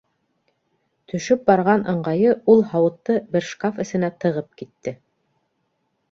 Төшөп барған ыңғайы ул һауытты бер шкаф эсенә тығып китте.